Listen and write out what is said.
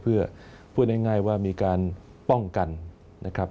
เพื่อพูดง่ายว่ามีการป้องกันนะครับ